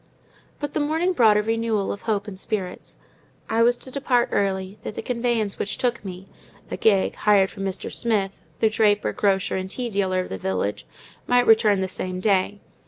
But the morning brought a renewal of hope and spirits. I was to depart early; that the conveyance which took me (a gig, hired from Mr. Smith, the draper, grocer, and tea dealer of the village) might return the same day.